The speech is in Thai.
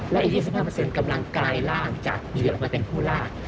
และอีก๒๕กำลังกายร่างจากเหยื่อออกมาเป็นผู้ลาก